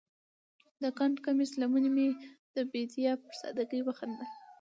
د ګنډ کمیس لمنې مې د بیدیا پر سادګۍ وخندل